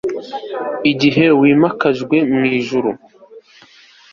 igihe wimakajwe mu ijuru